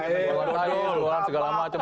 jualan jualan segala macam